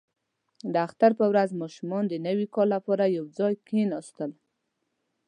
• د اختر په ورځ ماشومان د نوي کال لپاره یو ځای کښېناستل.